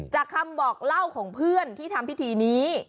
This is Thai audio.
คำบอกเล่าของเพื่อนที่ทำพิธีนี้